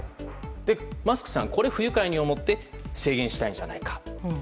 マスクさんこれを不愉快に思って制限したのではないかと。